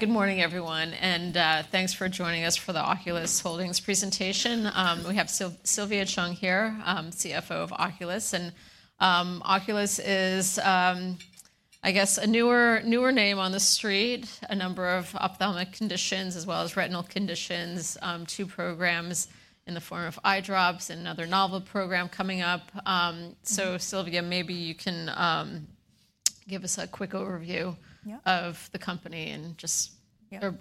Good morning, everyone, and thanks for joining us for the Oculis Holdings presentation. We have Sylvia Cheung here, CFO of Oculis, and Oculis is, I guess, a newer name on the street. A number of ophthalmic conditions, as well as retinal conditions, two programs in the form of eye drops and another novel program coming up. So, Sylvia, maybe you can give us a quick overview of the company and just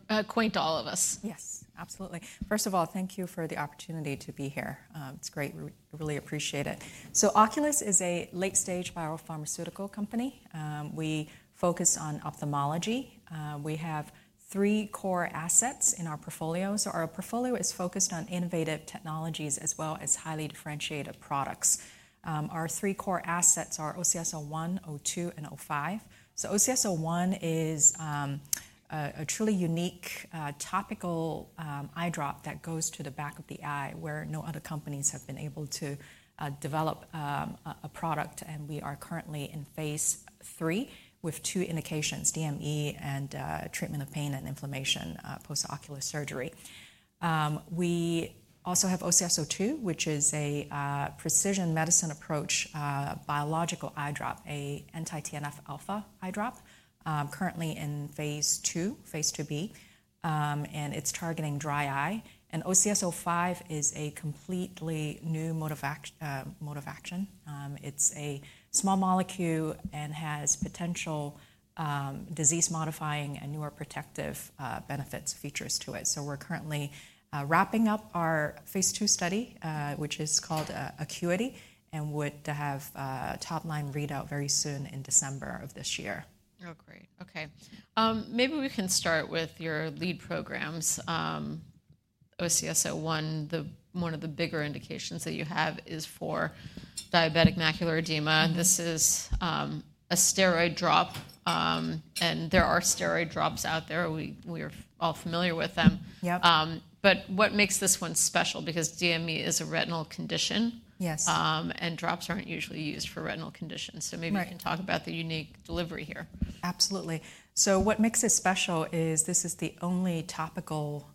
acquaint all of us. Yes, absolutely. First of all, thank you for the opportunity to be here. It's great. We really appreciate it. So, Oculis is a late-stage biopharmaceutical company. We focus on ophthalmology. We have three core assets in our portfolio. So, our portfolio is focused on innovative technologies as well as highly differentiated products. Our three core assets are OCS-01, OCS-02, and OCS-05. So, OCS-01 is a truly unique topical eye drop that goes to the back of the eye where no other companies have been able to develop a product, and we are currently in phase III with two indications: DME and treatment of pain and inflammation post-ocular surgery. We also have OCS-02, which is a precision medicine approach biological eye drop, an anti-TNF alpha eye drop, currently in phase II, phase II-B, and it's targeting dry eye. And OCS-05 is a completely new mode of action. It's a small molecule and has potential disease-modifying and newer protective benefits and features to it. So, we're currently wrapping up our phase II study, which is called ACUITY, and would have top-line readout very soon in December of this year. Oh, great. Okay. Maybe we can start with your lead programs. OCS-01, one of the bigger indications that you have is for diabetic macular edema. This is a steroid drop, and there are steroid drops out there. We are all familiar with them. But what makes this one special? Because DME is a retinal condition, and drops aren't usually used for retinal conditions. So, maybe we can talk about the unique delivery here. Absolutely. What makes it special is this is the only topical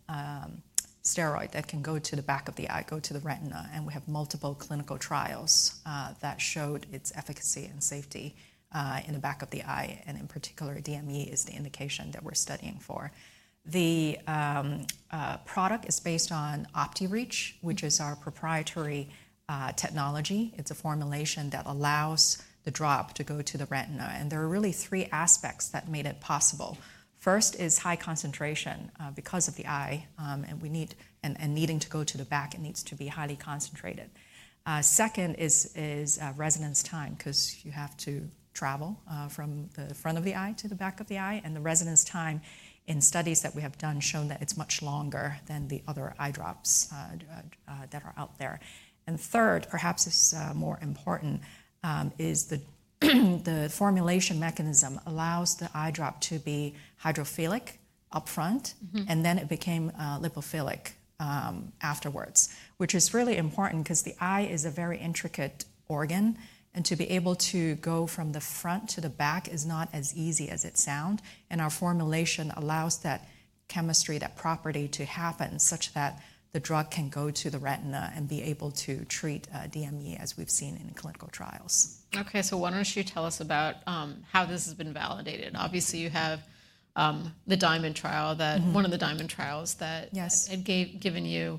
steroid that can go to the back of the eye, go to the retina, and we have multiple clinical trials that showed its efficacy and safety in the back of the eye, and in particular, DME is the indication that we're studying for. The product is based on Optireach, which is our proprietary technology. It's a formulation that allows the drop to go to the retina, and there are really three aspects that made it possible. First is high concentration because of the eye, and needing to go to the back, it needs to be highly concentrated. Second is residence time, because you have to travel from the front of the eye to the back of the eye, and the residence time in studies that we have done shown that it's much longer than the other eye drops that are out there, and third, perhaps more important, is the formulation mechanism allows the eye drop to be hydrophilic upfront, and then it became lipophilic afterwards, which is really important because the eye is a very intricate organ, and to be able to go from the front to the back is not as easy as it sounds, and our formulation allows that chemistry, that property to happen such that the drug can go to the retina and be able to treat DME as we've seen in clinical trials. Okay, so why don't you tell us about how this has been validated? Obviously, you have the DIAMOND trial, one of the DIAMOND trials that have given you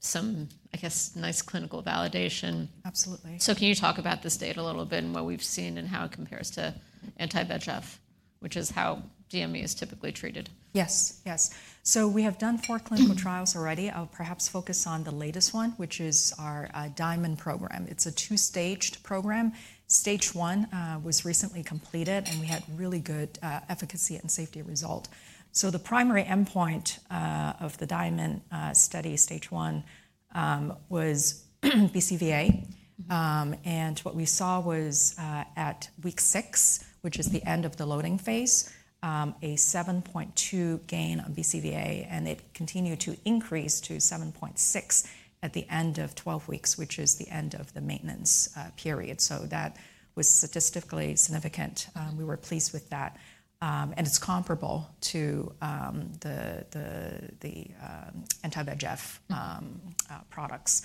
some, I guess, nice clinical validation. Absolutely. So, can you talk about this data a little bit and what we've seen and how it compares to anti-VEGF, which is how DME is typically treated? Yes, yes. So, we have done four clinical trials already. I'll perhaps focus on the latest one, which is our DIAMOND program. It's a two-staged program. Stage one was recently completed, and we had really good efficacy and safety results. So, the primary endpoint of the DIAMOND study, stage one, was BCVA, and what we saw was at week six, which is the end of the loading phase, a 7.2 gain on BCVA, and it continued to increase to 7.6 at the end of 12 weeks, which is the end of the maintenance period. So, that was statistically significant. We were pleased with that, and it's comparable to the anti-VEGF products.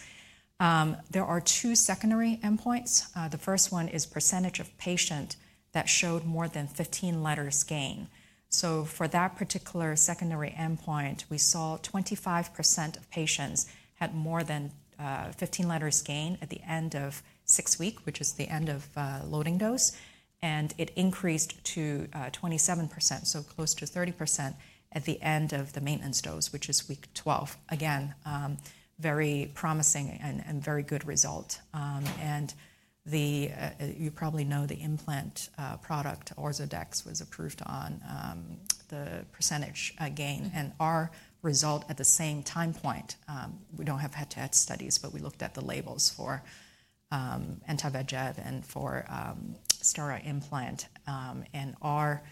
There are two secondary endpoints. The first one is percentage of patients that showed more than 15 letters gain. For that particular secondary endpoint, we saw 25% of patients had more than 15 letters gain at the end of six weeks, which is the end of loading dose, and it increased to 27%, so close to 30% at the end of the maintenance dose, which is week 12. Again, very promising and very good result. You probably know the implant product, Ozurdex, was approved on the percentage gain, and our result at the same time point, we don't have head-to-head studies, but we looked at the labels for anti-VEGF and for Ozurdex implant, and our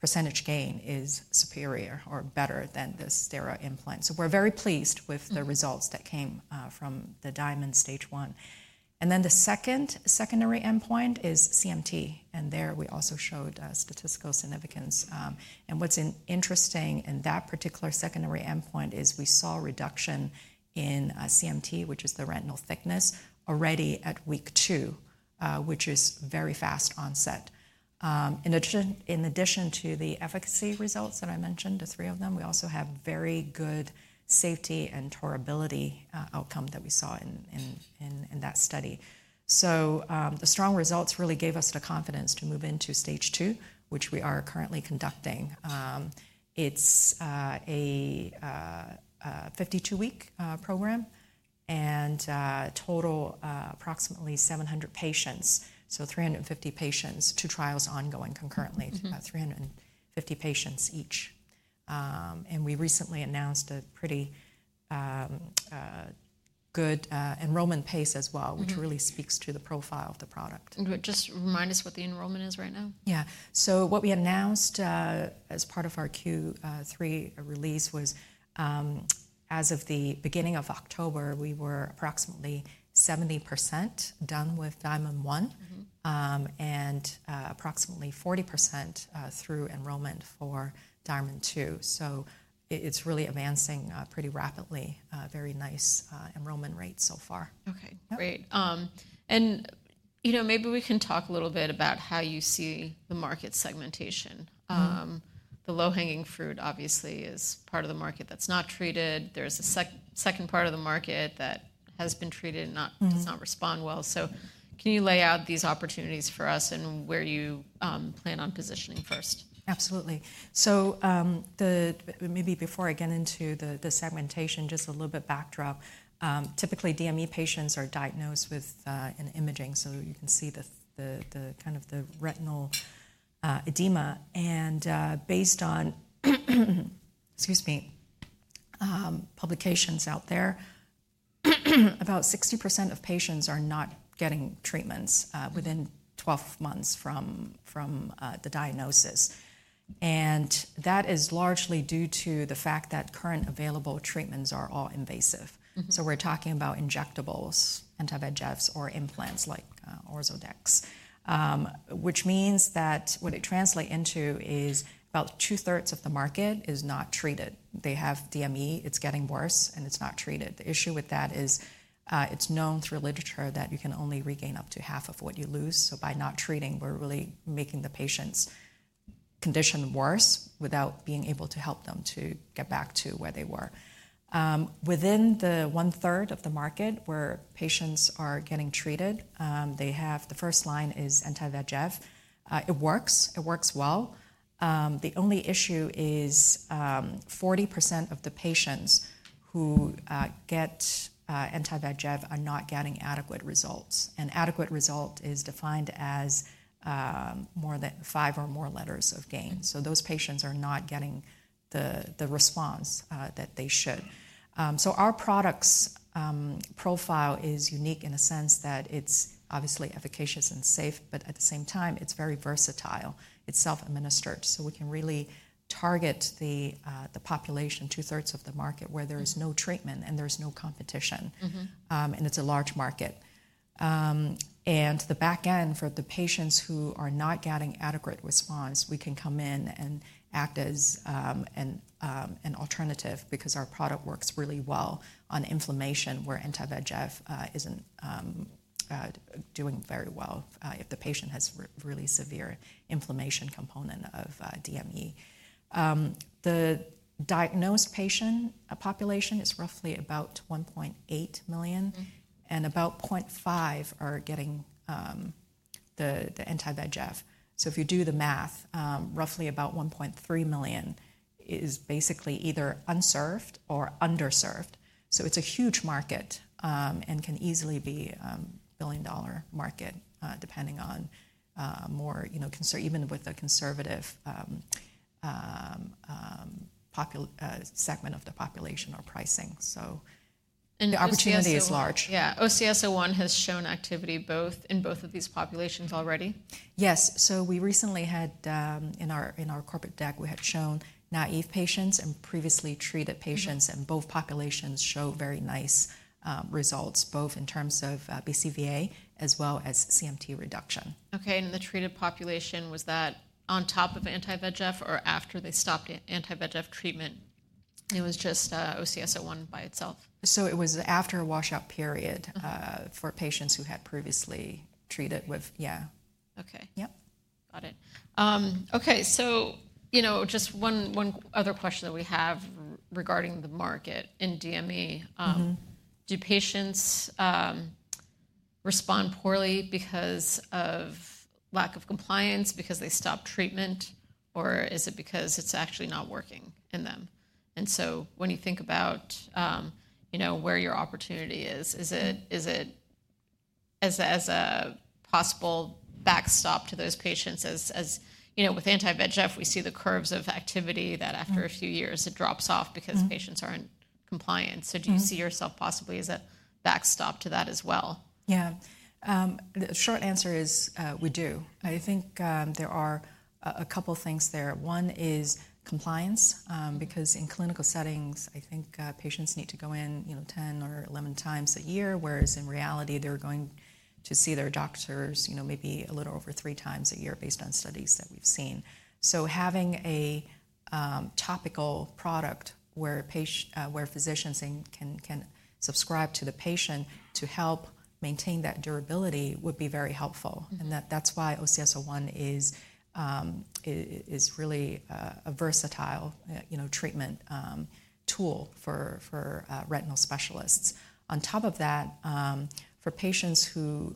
percentage gain is superior or better than the Ozurdex implant. We're very pleased with the results that came from the DIAMOND stage one. The second secondary endpoint is CMT, and there we also showed statistical significance. What's interesting in that particular secondary endpoint is we saw reduction in CMT, which is the retinal thickness, already at week two, which is very fast onset. In addition to the efficacy results that I mentioned, the three of them, we also have very good safety and tolerability outcome that we saw in that study. The strong results really gave us the confidence to move into stage two, which we are currently conducting. It's a 52-week program and total approximately 700 patients, so 350 patients, two trials ongoing concurrently, 350 patients each. We recently announced a pretty good enrollment pace as well, which really speaks to the profile of the product. Just remind us what the enrollment is right now? Yeah. So, what we announced as part of our Q3 release was, as of the beginning of October, we were approximately 70% done with DIAMOND one and approximately 40% through enrollment for DIAMOND two, so it's really advancing pretty rapidly, very nice enrollment rate so far. Okay, great. And you know, maybe we can talk a little bit about how you see the market segmentation. The low-hanging fruit obviously is part of the market that's not treated. There's a second part of the market that has been treated and does not respond well. So, can you lay out these opportunities for us and where you plan on positioning first? Absolutely. So, maybe before I get into the segmentation, just a little bit background. Typically, DME patients are diagnosed with imaging, so you can see kind of the retinal edema. Based on publications out there, about 60% of patients are not getting treatments within 12 months from the diagnosis. That is largely due to the fact that current available treatments are all invasive. We're talking about injectables, anti-VEGFs, or implants like Ozurdex, which means that what it translates into is about two-thirds of the market is not treated. They have DME, it's getting worse, and it's not treated. The issue with that is it's known through literature that you can only regain up to half of what you lose. By not treating, we're really making the patient's condition worse without being able to help them to get back to where they were. Within the one-third of the market where patients are getting treated, the first line is anti-VEGF. It works. It works well. The only issue is 40% of the patients who get anti-VEGF are not getting adequate results, and adequate result is defined as more than five or more letters of gain, so those patients are not getting the response that they should, so our product's profile is unique in a sense that it's obviously efficacious and safe, but at the same time, it's very versatile. It's self-administered, so we can really target the population, two-thirds of the market, where there is no treatment and there's no competition, and it's a large market. And the back end for the patients who are not getting adequate response, we can come in and act as an alternative because our product works really well on inflammation where anti-VEGF isn't doing very well if the patient has a really severe inflammation component of DME. The diagnosed patient population is roughly about 1.8 million, and about 0.5 are getting the anti-VEGF. So, if you do the math, roughly about 1.3 million is basically either unserved or underserved. So, it's a huge market and can easily be a billion-dollar market depending on more, you know, even with a conservative segment of the population or pricing. So, the opportunity is large. Yeah. OCS-01 has shown activity in both of these populations already? Yes. So, we recently had, in our corporate deck, we had shown naive patients and previously treated patients, and both populations showed very nice results, both in terms of BCVA as well as CMT reduction. Okay. And the treated population, was that on top of anti-VEGF or after they stopped anti-VEGF treatment? It was just OCS-01 by itself? It was after a washout period for patients who had previously treated with, yeah. Okay. Yep. Got it. Okay. So, you know, just one other question that we have regarding the market in DME. Do patients respond poorly because of lack of compliance, because they stop treatment, or is it because it's actually not working in them? And so, when you think about, you know, where your opportunity is, is it as a possible backstop to those patients? You know, with anti-VEGF, we see the curves of activity that after a few years it drops off because patients aren't compliant. So, do you see yourself possibly as a backstop to that as well? Yeah. The short answer is we do. I think there are a couple of things there. One is compliance, because in clinical settings, I think patients need to go in, you know, 10 or 11 times a year, whereas in reality they're going to see their doctors, you know, maybe a little over three times a year based on studies that we've seen. So, having a topical product where physicians can prescribe to the patient to help maintain that durability would be very helpful. And that's why OCS-01 is really a versatile, you know, treatment tool for retinal specialists. On top of that, for patients who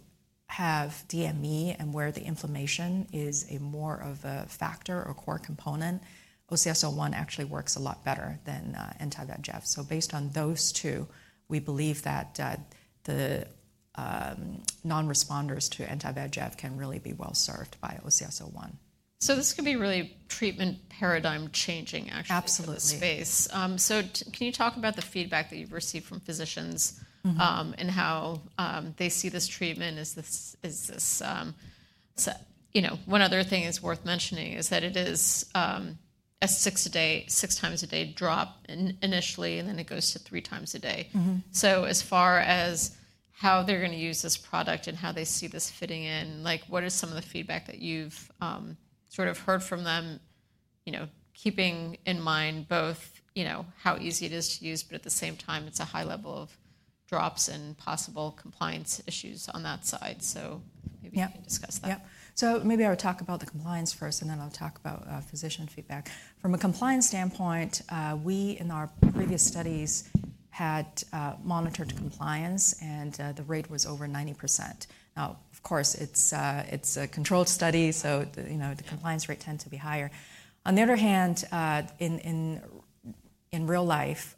have DME and where the inflammation is more of a factor or core component, OCS-01 actually works a lot better than anti-VEGF. So, based on those two, we believe that the non-responders to anti-VEGF can really be well served by OCS-01. So, this could be really treatment paradigm changing, actually. Absolutely. So, can you talk about the feedback that you've received from physicians and how they see this treatment? You know, one other thing worth mentioning is that it is a six times a day drop initially, and then it goes to three times a day. So, as far as how they're going to use this product and how they see this fitting in, like, what is some of the feedback that you've sort of heard from them, you know, keeping in mind both, you know, how easy it is to use, but at the same time it's a high level of drops and possible compliance issues on that side? So, maybe you can discuss that. Yeah, so maybe I'll talk about the compliance first, and then I'll talk about physician feedback. From a compliance standpoint, we in our previous studies had monitored compliance, and the rate was over 90%. Now, of course, it's a controlled study, so, you know, the compliance rate tends to be higher. On the other hand, in real life,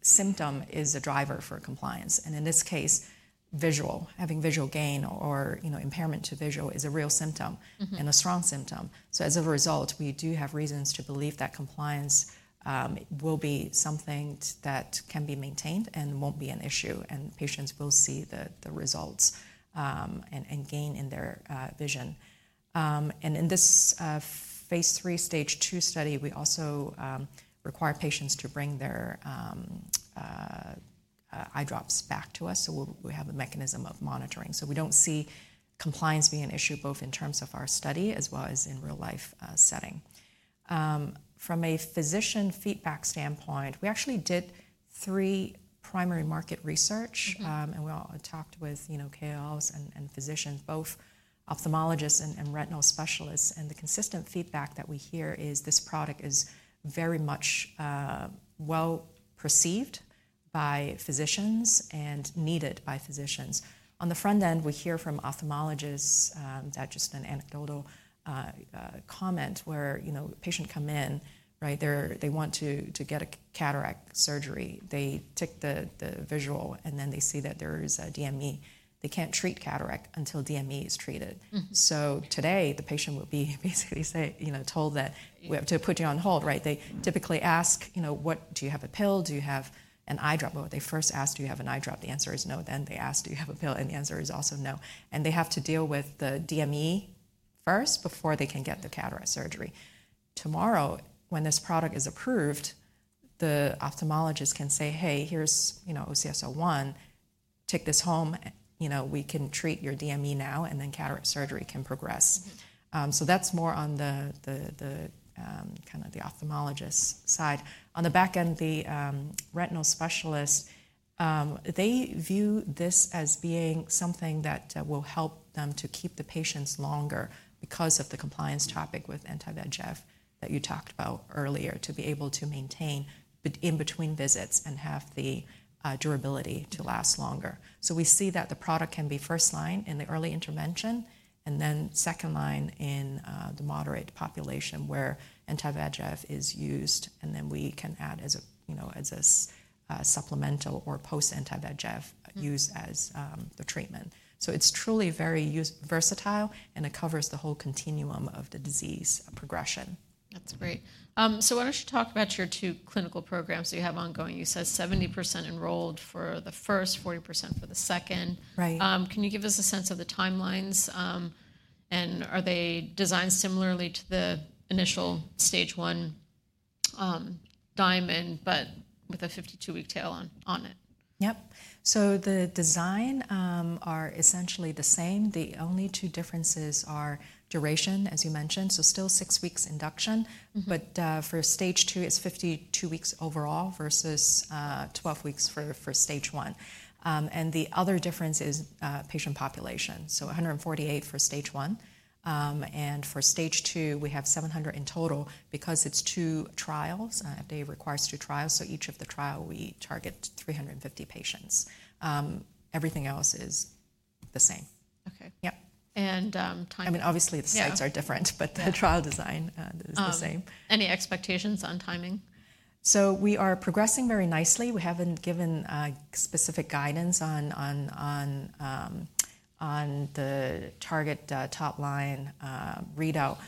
symptom is a driver for compliance, and in this case, visual, having visual gain or, you know, impairment to visual is a real symptom and a strong symptom, so as a result, we do have reasons to believe that compliance will be something that can be maintained and won't be an issue, and patients will see the results and gain in their vision, and in this phase III, stage two study, we also require patients to bring their eye drops back to us, so we have a mechanism of monitoring. So, we don't see compliance being an issue both in terms of our study as well as in real life setting. From a physician feedback standpoint, we actually did three primary market research, and we also talked with, you know, KOLs and physicians, both ophthalmologists and retinal specialists, and the consistent feedback that we hear is this product is very much well perceived by physicians and needed by physicians. On the front end, we hear from ophthalmologists, just an anecdotal comment where, you know, a patient comes in, right, they want to get a cataract surgery, they take the visual, and then they see that there is a DME. They can't treat cataract until DME is treated, so today, the patient will be basically told that we have to put you on hold, right? They typically ask, you know, what, do you have a pill? Do you have an eye drop? Well, they first ask, do you have an eye drop? The answer is no. Then they ask, do you have a pill? And the answer is also no. And they have to deal with the DME first before they can get the cataract surgery. Tomorrow, when this product is approved, the ophthalmologist can say, hey, here's, you know, OCS-01, take this home, you know, we can treat your DME now, and then cataract surgery can progress. So, that's more on the kind of the ophthalmologist's side. On the back end, the retinal specialists, they view this as being something that will help them to keep the patients longer because of the compliance topic with anti-VEGF that you talked about earlier, to be able to maintain in between visits and have the durability to last longer. So, we see that the product can be first line in the early intervention and then second line in the moderate population where anti-VEGF is used, and then we can add as a, you know, as a supplemental or post anti-VEGF use as the treatment. So, it's truly very versatile, and it covers the whole continuum of the disease progression. That's great. So, why don't you talk about your two clinical programs that you have ongoing? You said 70% enrolled for the first, 40% for the second. Right. Can you give us a sense of the timelines? And are they designed similarly to the initial stage one DIAMOND, but with a 52-week tail on it? Yep. So, the designs are essentially the same. The only two differences are duration, as you mentioned, so still six weeks induction, but for stage two, it's 52 weeks overall versus 12 weeks for stage one. And the other difference is patient population. So, 148 for stage one. And for stage two, we have 700 in total because it's two trials. They require two trials. So, each of the trials, we target 350 patients. Everything else is the same. Okay. Yep. And timing? I mean, obviously, the sites are different, but the trial design is the same. Any expectations on timing? We are progressing very nicely. We haven't given specific guidance on the target top line readout.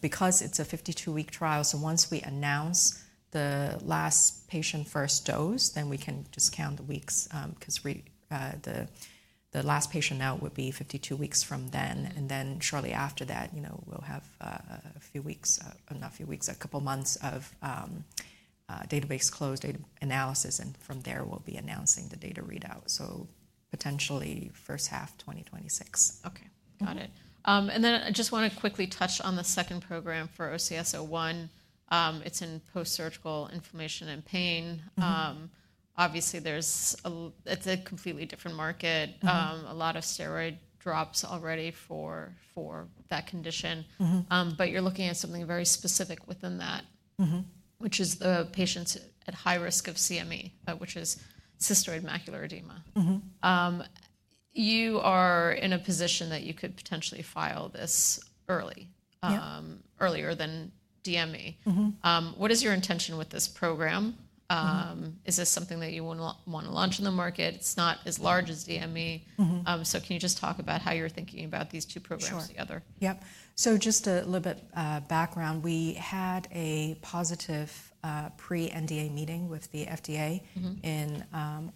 Because it's a 52-week trial, so once we announce the last patient first dose, then we can just count the weeks because the last patient now would be 52 weeks from then. Then shortly after that, you know, we'll have a few weeks, not a few weeks, a couple of months of database closed analysis, and from there, we'll be announcing the data readout. Potentially first half 2026. Okay. Got it. And then I just want to quickly touch on the second program for OCS-01. It's in post-surgical inflammation and pain. Obviously, it's a completely different market. A lot of steroid drops already for that condition. But you're looking at something very specific within that, which is the patients at high risk of CME, which is cystoid macular edema. You are in a position that you could potentially file this earlier than DME. What is your intention with this program? Is this something that you want to launch in the market? It's not as large as DME. So, can you just talk about how you're thinking about these two programs together? Sure. Yep. So, just a little bit of background. We had a positive pre-NDA meeting with the FDA in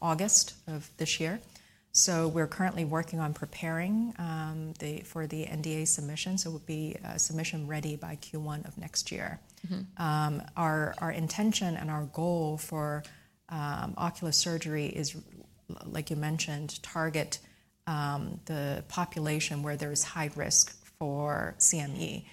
August of this year. So, we're currently working on preparing for the NDA submission. So, it will be submission ready by Q1 of next year. Our intention and our goal for ocular surgery is, like you mentioned, target the population where there is high risk for CME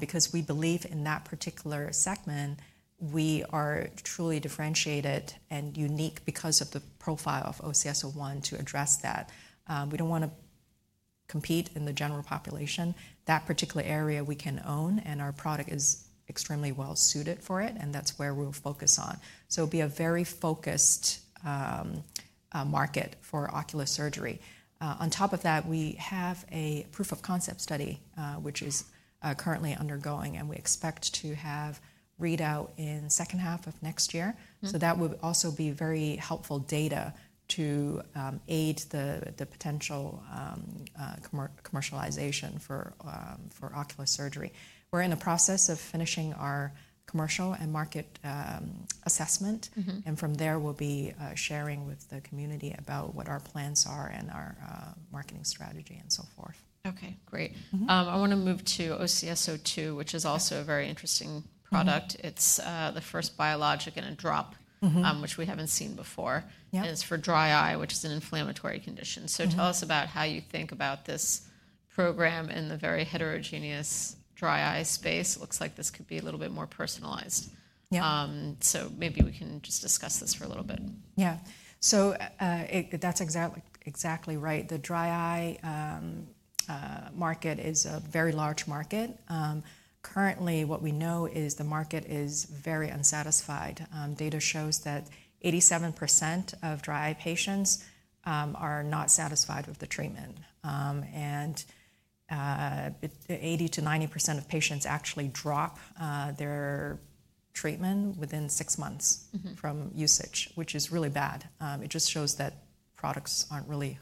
because we believe in that particular segment, we are truly differentiated and unique because of the profile of OCS-01 to address that. We don't want to compete in the general population. That particular area we can own, and our product is extremely well suited for it, and that's where we'll focus on. So, it'll be a very focused market for ocular surgery. On top of that, we have a proof of concept study, which is currently undergoing, and we expect to have readout in the second half of next year. So, that would also be very helpful data to aid the potential commercialization for ocular surgery. We're in the process of finishing our commercial and market assessment, and from there, we'll be sharing with the community about what our plans are and our marketing strategy and so forth. Okay. Great. I want to move to OCS-02, which is also a very interesting product. It's the first biologic in a drop, which we haven't seen before. It's for dry eye, which is an inflammatory condition. So, tell us about how you think about this program in the very heterogeneous dry eye space? It looks like this could be a little bit more personalized. So, maybe we can just discuss this for a little bit. Yeah. So, that's exactly right. The dry eye market is a very large market. Currently, what we know is the market is very unsatisfied. Data shows that 87% of dry eye patients are not satisfied with the treatment. And 80%-90% of patients actually drop their treatment within six months from usage, which is really bad. It just shows that products aren't really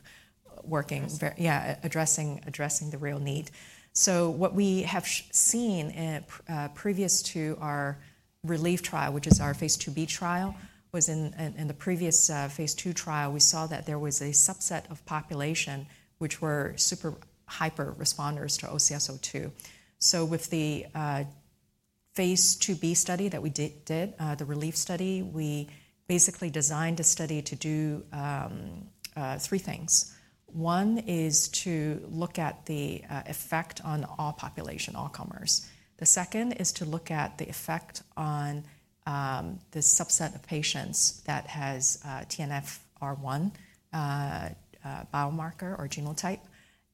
working, yeah, addressing the real need. So, what we have seen previous to our RELIEF trial, which is our phase II-B trial, was in the previous phase II trial, we saw that there was a subset of population which were super-responders to OCS-02. So, with the phase II-B study that we did, the RELIEF study, we basically designed a study to do three things. One is to look at the effect on all population, all comers. The second is to look at the effect on the subset of patients that has TNF-R1 biomarker or genotype.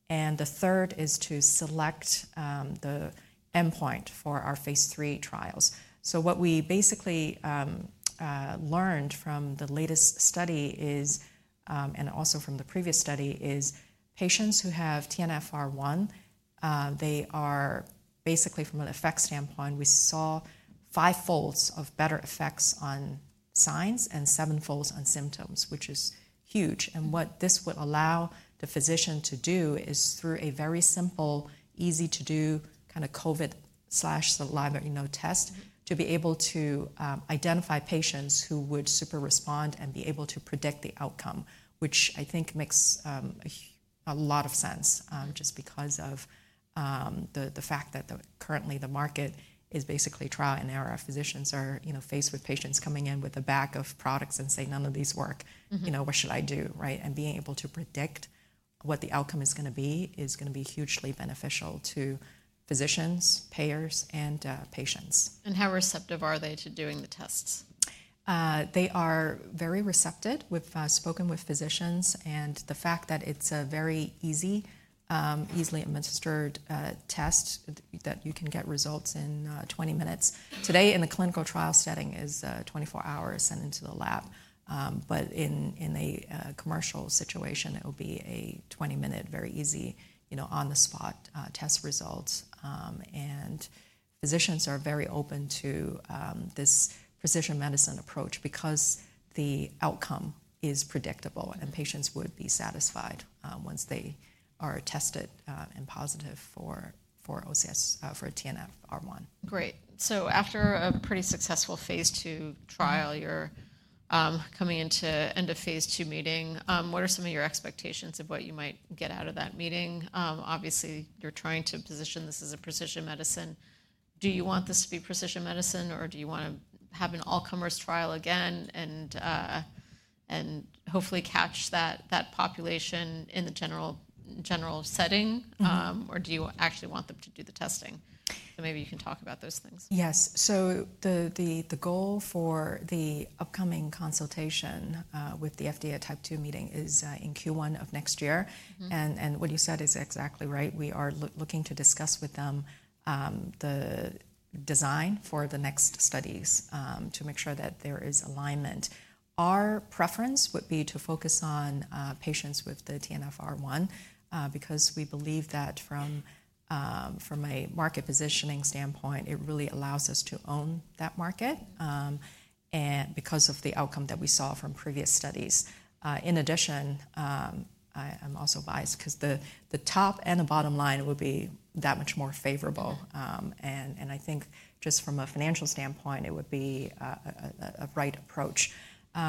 And the third is to select the endpoint for our phase III trials. So, what we basically learned from the latest study is, and also from the previous study, is patients who have TNF-R1, they are basically from an effect standpoint, we saw five folds of better effects on signs and seven folds on symptoms, which is huge. And what this would allow the physician to do is through a very simple, easy to do kind of COVID slash saliva test, to be able to identify patients who would super respond and be able to predict the outcome, which I think makes a lot of sense just because of the fact that currently the market is basically trial and error. Physicians are faced with patients coming in with a bag of products and say, none of these work. You know, what should I do, right, and being able to predict what the outcome is going to be is going to be hugely beneficial to physicians, payers, and patients. How receptive are they to doing the tests? They are very receptive. We've spoken with physicians, and the fact that it's a very easily administered test that you can get results in 20 minutes. Today, in the clinical trial setting, it is 24 hours sent into the lab. But in a commercial situation, it will be a 20-minute, very easy, you know, on-the-spot test result. And physicians are very open to this precision medicine approach because the outcome is predictable, and patients would be satisfied once they are tested and positive for TNF-R1. Great. So, after a pretty successful phase II trial, you're coming into end of phase II meeting. What are some of your expectations of what you might get out of that meeting? Obviously, you're trying to position this as a precision medicine. Do you want this to be precision medicine, or do you want to have an all-comers trial again and hopefully catch that population in the general setting, or do you actually want them to do the testing? Maybe you can talk about those things. Yes. So, the goal for the upcoming consultation with the FDA type two meeting is in Q1 of next year. And what you said is exactly right. We are looking to discuss with them the design for the next studies to make sure that there is alignment. Our preference would be to focus on patients with the TNF-R1 because we believe that from a market positioning standpoint, it really allows us to own that market because of the outcome that we saw from previous studies. In addition, I'm also biased because the top and the bottom line would be that much more favorable. And I think just from a financial standpoint, it would be a right approach.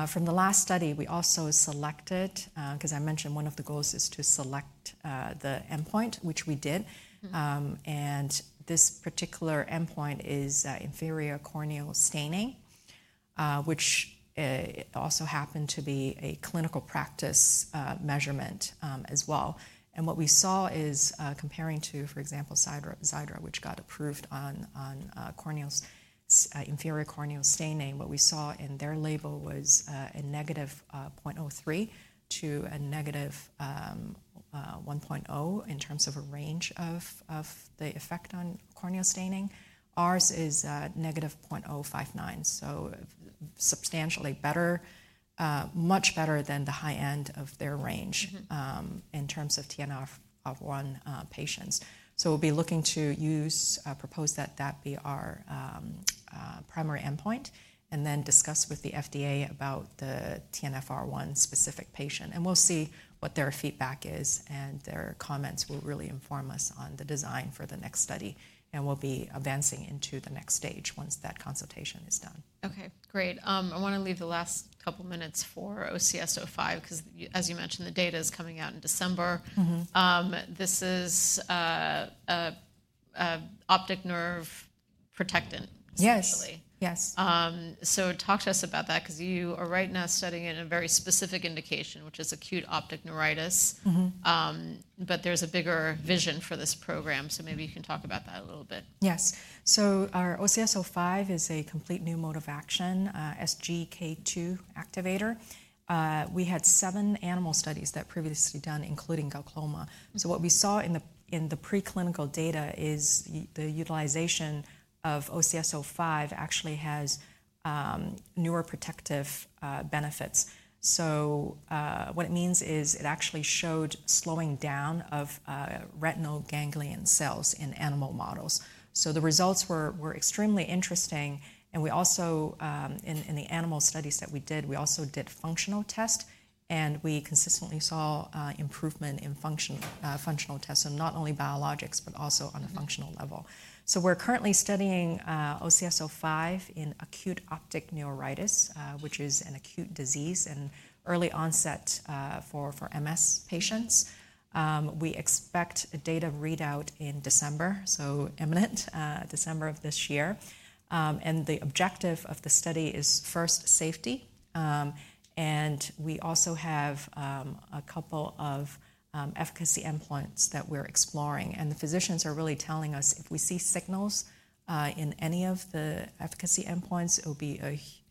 From the last study, we also selected, because I mentioned one of the goals is to select the endpoint, which we did. This particular endpoint is inferior corneal staining, which also happened to be a clinical practice measurement as well. What we saw is comparing to, for example, Xiidra, which got approved on corneal staining, inferior corneal staining. What we saw in their label was a -0.03 to a -1.0 in terms of a range of the effect on corneal staining. Ours is -0.059. Substantially better, much better than the high end of their range in terms of TNF-R1 patients. We'll be looking to use, propose that that be our primary endpoint, and then discuss with the FDA about the TNF-R1 specific patient. We'll see what their feedback is, and their comments will really inform us on the design for the next study. We'll be advancing into the next stage once that consultation is done. Okay. Great. I want to leave the last couple of minutes for OCS-05 because, as you mentioned, the data is coming out in December. This is an optic nerve protectant, essentially. Yes. Yes. So, talk to us about that because you are right now studying it in a very specific indication, which is acute optic neuritis. But there's a bigger vision for this program. So, maybe you can talk about that a little bit. Yes. So, our OCS-05 is a complete new mode of action, SGK2 activator. We had seven animal studies that were previously done, including glaucoma. So, what we saw in the preclinical data is the utilization of OCS-05 actually has newer protective benefits. So, what it means is it actually showed slowing down of retinal ganglion cells in animal models. So, the results were extremely interesting. And we also, in the animal studies that we did, we also did functional tests, and we consistently saw improvement in functional tests, so not only biologics, but also on a functional level. So, we're currently studying OCS-05 in acute optic neuritis, which is an acute disease and early onset for MS patients. We expect a data readout in December, so imminent, December of this year. And the objective of the study is first safety. We also have a couple of efficacy endpoints that we're exploring. The physicians are really telling us if we see signals in any of the efficacy endpoints, it will be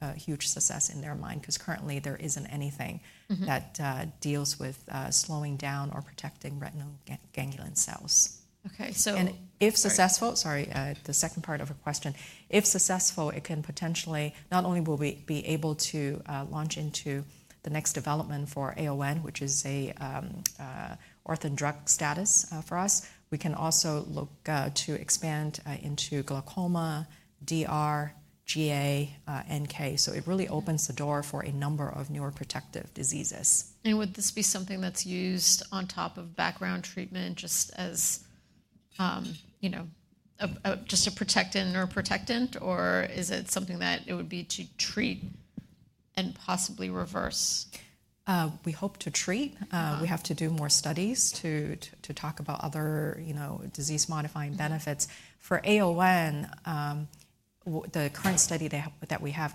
a huge success in their mind because currently there isn't anything that deals with slowing down or protecting retinal ganglion cells. Okay. So. If successful, sorry, the second part of a question. If successful, it can potentially not only will we be able to launch into the next development for AON, which is an orphan drug status for us, we can also look to expand into glaucoma, DR, GA, NK. So, it really opens the door for a number of neuroprotective diseases. And would this be something that's used on top of background treatment just as, you know, just a protectant or, or is it something that it would be to treat and possibly reverse? We hope to treat. We have to do more studies to talk about other, you know, disease-modifying benefits. For AON, the current study that we have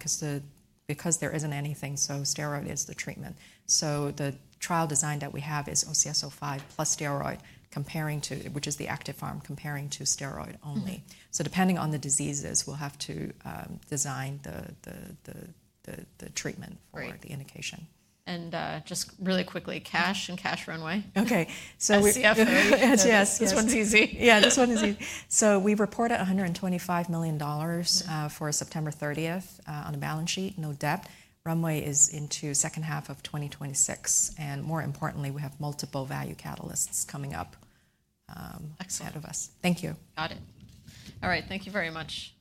because there isn't anything, so steroid is the treatment. So, the trial design that we have is OCS-05 plus steroid, which is the active arm comparing to steroid only. So, depending on the diseases, we'll have to design the treatment for the indication. Just really quickly, cash and cash runway. Okay. So. CFO, yes, this one's easy. Yeah, this one is easy. So, we reported $125 million for September 30th on a balance sheet, no debt. Runway is into second half of 2026. And more importantly, we have multiple value catalysts coming up ahead of us. Thank you. Got it. All right. Thank you very much.